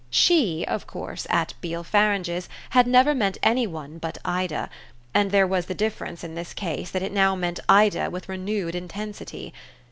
"She" of course at Beale Farange's had never meant any one but Ida, and there was the difference in this case that it now meant Ida with renewed intensity.